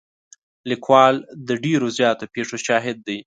لیکوال د ډېرو زیاتو پېښو شاهد دی.